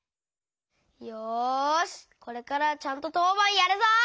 よしこれからはちゃんととうばんやるぞ！